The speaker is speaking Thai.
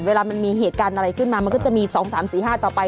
เวลามันมีเหตุการณ์อะไรขึ้นมามันก็จะมี๒๓๔๕ต่อไป